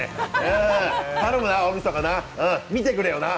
頼むよ、大みそかな、見てくれよ。